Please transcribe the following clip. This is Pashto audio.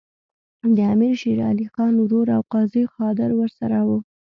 د امیر شېر علي خان ورور او قاضي قادر ورسره وو.